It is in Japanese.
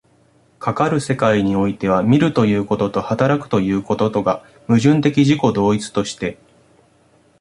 かかる世界においては、見るということと働くということとが矛盾的自己同一として、